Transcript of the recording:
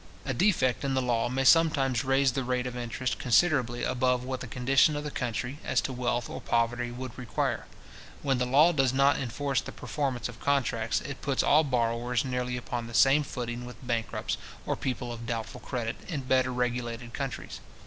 A defect in the law may sometimes raise the rate of interest considerably above what the condition of the country, as to wealth or poverty, would require. When the law does not enforce the performance of contracts, it puts all borrowers nearly upon the same footing with bankrupts, or people of doubtful credit, in better regulated countries.